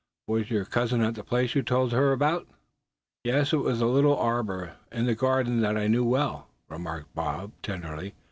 "Was your cousin at the place you told her about?" "Yes, it was a little arbor in the garden that I knew well," remarked Bob, tenderly.